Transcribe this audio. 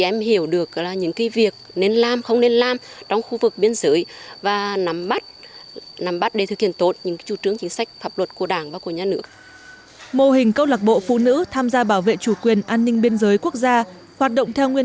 mô hình câu lạc bộ phụ nữ tham gia bảo vệ chủ quyền an ninh biên giới quốc gia hoạt động theo nguyên